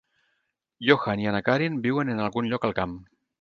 Johan i Anna-Karin viuen en algun lloc al camp.